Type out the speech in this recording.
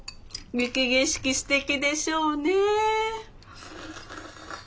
雪景色すてきでしょうねえ。